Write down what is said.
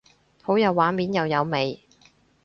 好有畫面又有味